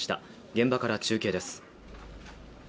現場から中継です。